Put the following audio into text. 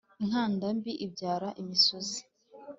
inkanda mbi ibyara imisuzi